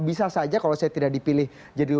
bisa saja kalau saya tidak dipilih jadi